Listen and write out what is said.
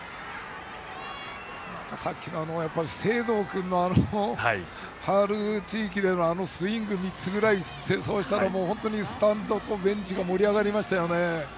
さっきの清藤君のファウル地域でのあのスイング３つぐらい振ったらスタンドとベンチが盛り上がりましたよね。